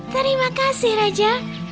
terima kasih raja